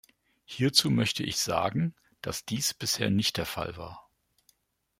Hierzu möchte ich sagen, dass dies bisher nicht der Fall war.